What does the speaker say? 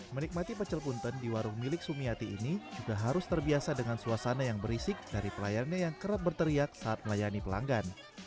menikmati pecel punten di warung milik sumiati ini juga harus terbiasa dengan suasana yang berisik dari pelayannya yang kerap berteriak saat melayani pelanggan